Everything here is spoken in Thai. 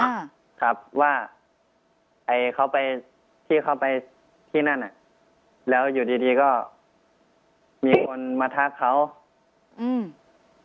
อ่าครับว่าไอ้เขาไปที่เขาไปที่นั่นอ่ะแล้วอยู่ดีดีก็มีคนมาทักเขาอืม